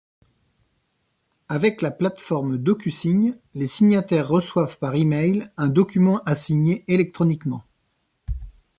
Avec la plateforme DocuSign, les signataires reçoivent par email un document à signer électroniquement.